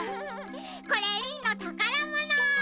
これリンのたからもの！